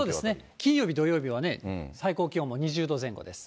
金曜日、土曜日はね、最高気温も２０度前後です。